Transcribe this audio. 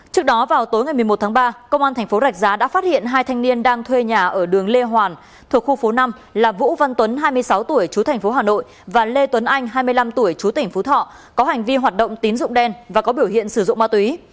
trước đó vào tối ngày một mươi một tháng ba công an thành phố rạch giá đã phát hiện hai thanh niên đang thuê nhà ở đường lê hoàn thuộc khu phố năm là vũ văn tuấn hai mươi sáu tuổi chú thành phố hà nội và lê tuấn anh hai mươi năm tuổi chú tỉnh phú thọ có hành vi hoạt động tín dụng đen và có biểu hiện sử dụng ma túy